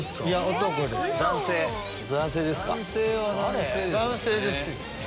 男性ですよ。